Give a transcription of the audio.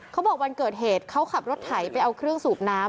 วันเกิดเหตุเขาขับรถไถไปเอาเครื่องสูบน้ำ